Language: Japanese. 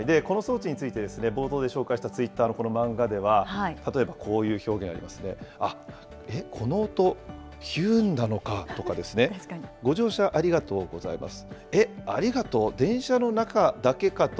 この装置について、冒頭で紹介したツイッターのこの漫画では、例えばこういう表現ありますね、えっ、この音、ヒューンなのかとかですね、ご乗車ありがとうございます。